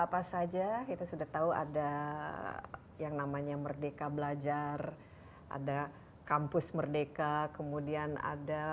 apa saja itu sudah tahu ada yang namanya merdeka belajar ada kampus merdeka kemudian ada